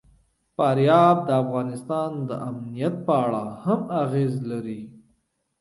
فاریاب د افغانستان د امنیت په اړه هم اغېز لري.